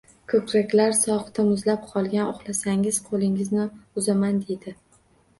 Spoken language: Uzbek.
Ko‘raklar sovuqda muzlab qolgan, ushlasangiz qo‘lingizni uzaman deydi.